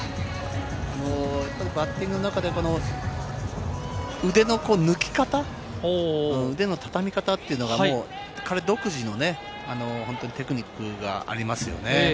バッティングの中で、腕の抜き方、腕の畳み方というのが彼独自のね、本当にテクニックがありますよね。